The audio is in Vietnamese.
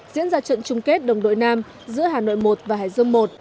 diễn ra trận chung kết đồng đội nam giữa hà nội một và hải dương một